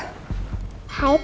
hai tante prosen